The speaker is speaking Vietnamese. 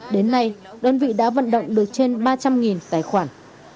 đến nay đơn vị đã vận động được trên ba trăm linh tài khoản